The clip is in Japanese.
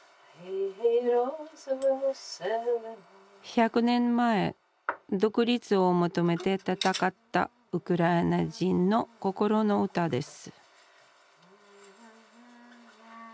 １００年前独立を求めて闘ったウクライナ人の心の歌です